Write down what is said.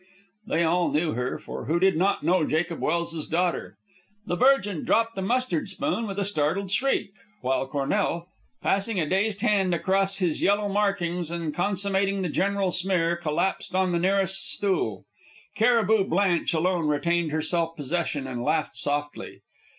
They all knew her, for who did not know Jacob Welse's daughter? The Virgin dropped the mustard spoon with a startled shriek, while Cornell, passing a dazed hand across his yellow markings and consummating the general smear, collapsed on the nearest stool. Cariboo Blanche alone retained her self possession, and laughed softly.